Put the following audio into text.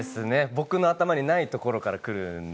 僕の頭にないところから来るんで。